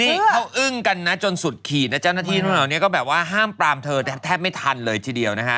นี่เขาอึ้งกันนะจนสุดขีดนะเจ้าหน้าที่นู่นเหล่านี้ก็แบบว่าห้ามปรามเธอแทบไม่ทันเลยทีเดียวนะฮะ